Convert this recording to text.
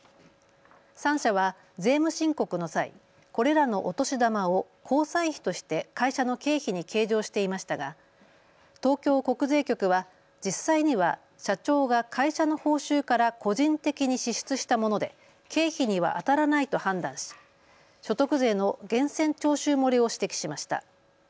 ３社は税務申告の際これらのお年玉を交際費として会社の経費に計上していましたが東京国税局は実際には社長が会社の報酬から個人的に支出したもので経費にはあたらないと判断し所得税の源泉徴収漏れを指摘しました。